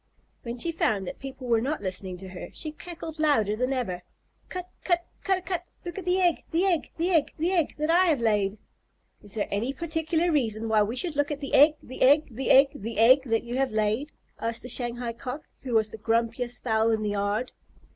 When she found that people were not listening to her, she cackled louder than ever, "Cut cut ca dah cut! Look at the egg the egg the egg the egg that I have laid." "Is there any particular reason why we should look at the egg the egg the egg the egg that you have laid?" asked the Shanghai Cock, who was the grumpiest fowl in the yard.